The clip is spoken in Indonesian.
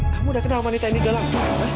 kamu udah kenal wanita ini galak